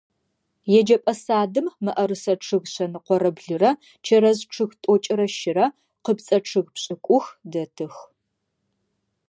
Еджэпӏэ садым мыӏэрысэ чъыг шъэныкъорэ блырэ, чэрэз чъыг тӏокӏырэ щырэ, къыпцӏэ чъыг пшӏыкӏух дэтых.